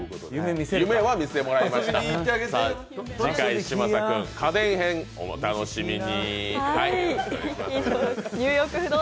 次回、嶋佐君家電編、お楽しみに。